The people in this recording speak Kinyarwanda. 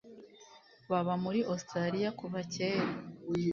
baba muri Australia kuva kera